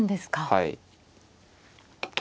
はい。